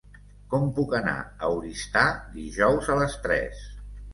Com puc anar a Oristà dijous a les tres?